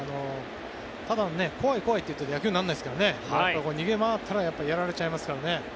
ただ、怖い怖いと言っていたら野球にならないんでね逃げ回ったらやっぱりやられちゃいますからね。